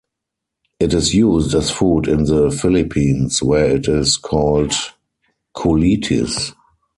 It is used as food in the Philippines, where it is called "kulitis".